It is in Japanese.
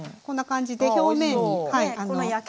こんな感じで表面に。